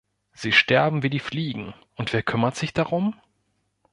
Sie sterben wie die Fliegen, und wer kümmert sich darum?